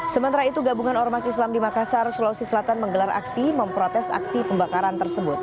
sementara itu gabungan ormas islam di makassar sulawesi selatan menggelar aksi memprotes aksi pembakaran tersebut